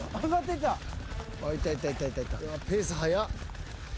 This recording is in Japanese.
ペース速っ。